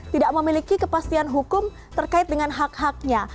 tidak memiliki kepastian hukum terkait dengan hak haknya